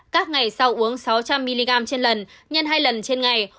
các ngày sau uống sáu trăm linh mg trên lần nhân hai lần trên ngày